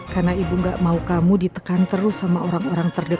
karena ibu gak mau kamu ditekan terus sama orang orang terdepan